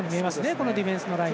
このディフェンスのライン。